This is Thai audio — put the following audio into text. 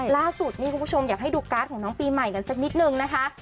ล่าสุดนี่คุณผู้ชมอยากให้ดูการ์ดของน้องปีใหม่กันสักนิดนึงนะคะ